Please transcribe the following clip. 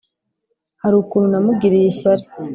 hari ukuntu namugiriye ishyari.